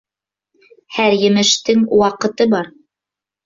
Һәр емештең ваҡыты бар.